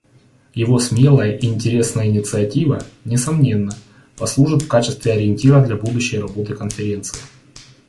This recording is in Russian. Его смелая и интересная инициатива, несомненно, послужит в качестве ориентира для будущей работы Конференции.